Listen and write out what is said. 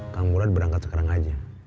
kamu boleh berangkat sekarang aja